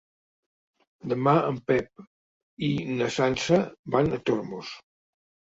Demà en Pep i na Sança van a Tormos.